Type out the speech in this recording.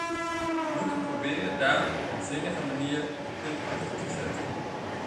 We moeten proberen daar op een zinnige manier een punt achter te zetten.